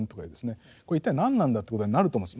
これ一体何なんだってことになると思うんです。